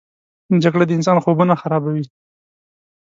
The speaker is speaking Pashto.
جګړه د انسان خوبونه خرابوي